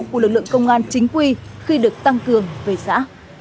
của lực lượng công an chính quy khi được tăng cường về xã